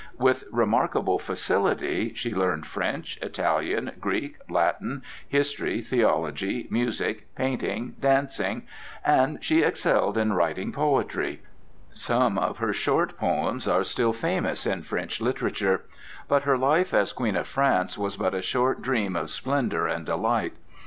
With remarkable facility she learned French, Italian, Greek, Latin, history, theology, music, painting, dancing, and she excelled in writing poetry. Some of her short poems are still famous in French literature. But her life as Queen of France was but a short dream of splendor and delight.